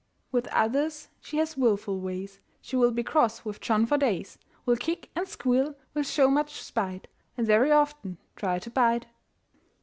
With others she has wilful ways. She will be cross with John for days, Will kick and squeal, will show much spite, And very often try to bite.